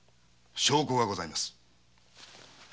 証拠がございます。